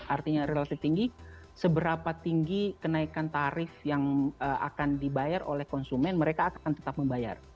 artinya relatif tinggi seberapa tinggi kenaikan tarif yang akan dibayar oleh konsumen mereka akan tetap membayar